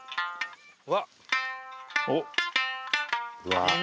わっ